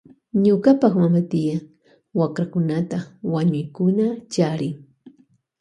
Ñuka mama tia charin wakrakunata ñañuyukuna kan.